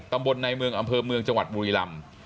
ตำบลในเมืองอำเภอเมืองจังหวัดบุรีลำ